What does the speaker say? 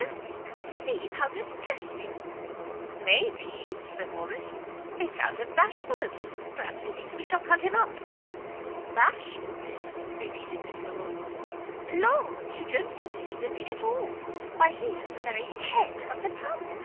Only conceive how distressing!" "May be," said Morrice, "it's out of bashfulness perhaps he thinks we shall cut him up." "Bashfulness," repeated Miss Larolles; "Lord, you don't conceive the thing at all. Why he's at the very head of the ton.